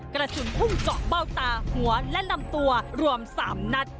กระสุนพุ่งเจาะเบ้าตาหัวและลำตัวรวม๓นัด